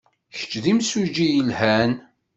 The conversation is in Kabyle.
Kečč d imsujji yelhan.